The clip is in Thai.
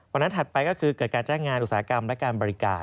ถัดไปก็คือเกิดการจ้างงานอุตสาหกรรมและการบริการ